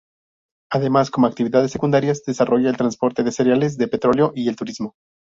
Además como actividades secundarias desarrolla el transporte de cereales, de petróleo y el turismo.